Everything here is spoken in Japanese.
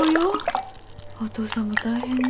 お父さんも大変ね。